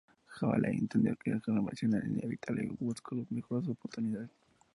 Jogaila entendió que la conversión era inevitable y buscó las mejores oportunidades.